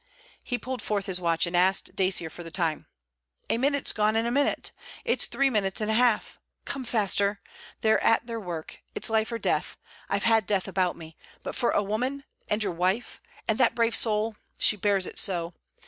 He pulled forth his watch and asked Dacier for the time. 'A minute's gone in a minute. It's three minutes and a half. Come faster. They're at their work! It's life or death. I've had death about me. But for a woman! and your wife! and that brave soul! She bears it so.